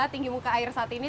tinggi muka air saat ini